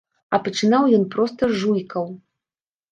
А пачынаў ён проста з жуйкаў.